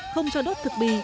không cho đốt thực bì